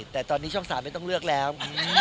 แต่ตอนนี้ช่อง๓ไม่ต้องเลือกแล้ว